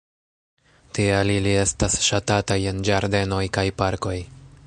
Tial ili estas ŝatataj en ĝardenoj kaj parkoj.